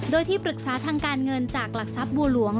โดยที่ปรึกษาทางการเงินจากหลักทรัพย์บัวหลวง